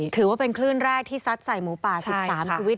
ถือว่าเป็นคลื่นแรกที่ซัดใส่หมูป่า๑๓ชีวิต